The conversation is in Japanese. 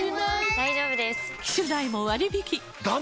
大丈夫です！